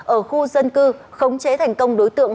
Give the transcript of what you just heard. ở khu dân cư khống chế thành công đối tượng